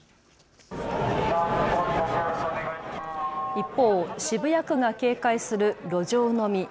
一方、渋谷区が警戒する路上飲み。